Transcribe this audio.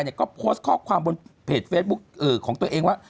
ก็โพสต์ข้อความบนเพจเฟซบุ๊คของตัวเองว่า